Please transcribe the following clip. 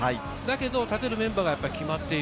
立てるメンバーが決まっている。